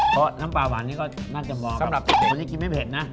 เพราะน้ำปลาหวานนี่ก็น่าจะเหมาะสำหรับคนที่กินไม่เผ็ดนะ